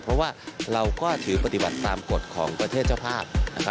เพราะว่าเราก็ถือปฏิบัติตามกฎของประเทศเจ้าภาพ